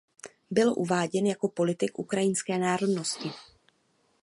Byl uváděn jako politik ukrajinské národnosti.